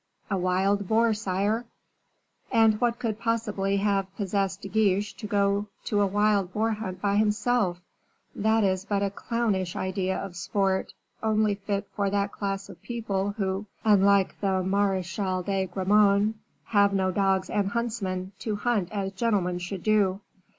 "A wild boar, sire." "And what could possibly have possessed De Guiche to go to a wild boar hunt by himself; that is but a clownish idea of sport, only fit for that class of people who, unlike the Marechal de Gramont, have no dogs and huntsmen, to hunt as gentlemen should do."